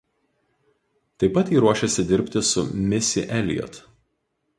Taip pat ji ruošiasi dirbti su Missy Elliott.